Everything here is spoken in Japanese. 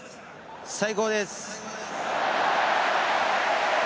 最高です！